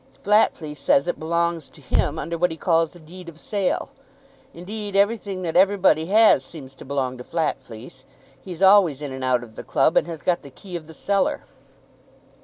Flatfleece says it belongs to him under what he calls a deed of sale. Indeed, everything that everybody has seems to belong to Flatfleece. He's always in and out of the club, and has got the key of the cellar."